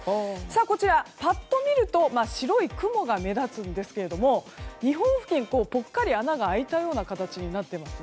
こちら、パッと見ると白い雲が目立つんですけれども日本付近、ぽっかり穴が開いたような形になっています。